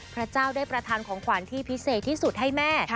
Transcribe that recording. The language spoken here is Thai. พระเจ้าได้ประธานของขวัญที่พิเศษที่สุดให้แม่